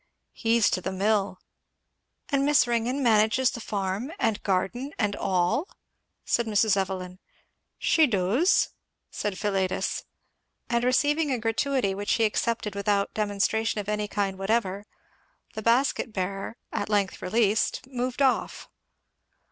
"He's to the mill." "And Miss Ringgan manages farm and garden and all?" said Mrs. Evelyn. "She doos," said Philetus. And receiving a gratuity which he accepted without demonstration of any kind whatever, the basket bearer at length released moved off.